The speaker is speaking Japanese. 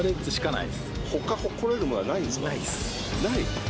ない？